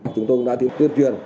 chúng tôi đã tiến truyền